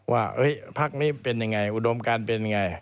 ว่าพักนี้เป็นอย่างไรอุดมการเป็นอย่างไร